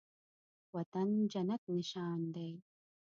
وطن جنت نشان دی